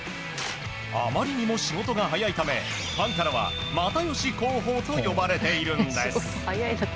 あまりにも仕事が早いためファンからは又吉広報と呼ばれているんです。